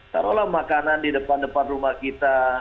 taruhlah makanan di depan depan rumah kita